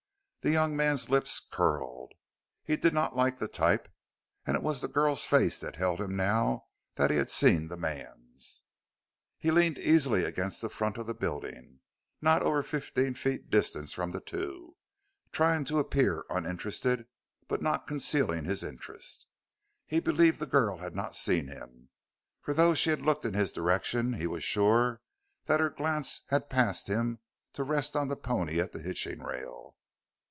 The young man's lips curled. He did not like the type, and it was the girl's face that held him now that he had seen the man's. He leaned easily against the front of the building, not over fifteen feet distant from the two, trying to appear uninterested, but not concealing his interest. He believed the girl had not seen him, for though she had looked in his direction he was sure that her glance had passed him to rest on the pony at the hitching rail.